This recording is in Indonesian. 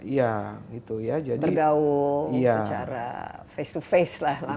bergaul secara face to face lah langsung